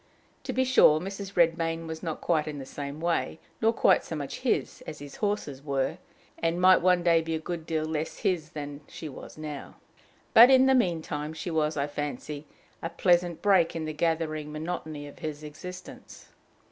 To be sure, Mrs. Redmain was not quite in the same way, nor quite so much his, as his horses were, and might one day be a good deal less his than she was now; but in the mean time she was, I fancy, a pleasant break in the gathering monotony of his existence.